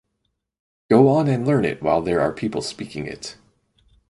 Go on and learn it while there are people speaking it.